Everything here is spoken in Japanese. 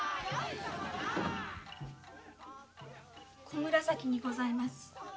小紫でございます。